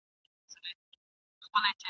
د دې وطن یې په قسمت کي دی ماښام لیکلی ..